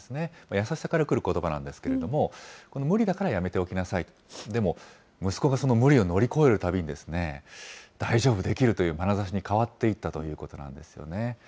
優しさから来ることばなんですけれども、この無理だからやめておきなさいと、でも、息子がその無理を乗り越えるたびに、大丈夫、できるというまなざしに変わっていったということなんですよね。